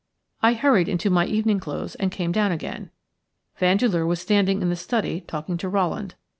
I hurried into my evening clothes and came down again. Vandeleur was standing in the study talking to Rowland.